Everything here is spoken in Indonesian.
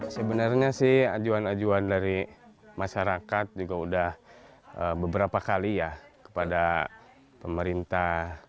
sebenarnya sih ajuan ajuan dari masyarakat juga sudah beberapa kali ya kepada pemerintah